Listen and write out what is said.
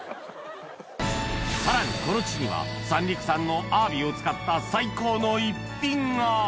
さらにこの地には三陸産のアワビを使った最高の逸品が！